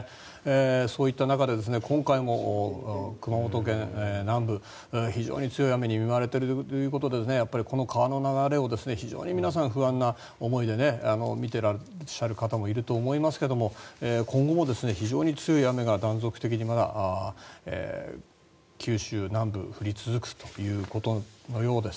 そういった中で、今回も熊本県南部は非常に強い雨に見舞われているということで川の流れを非常に皆さん不安な思いで見てらっしゃる方もいると思いますけれども今後も非常に強い雨が断続的にまだ九州南部に降り続くということのようです。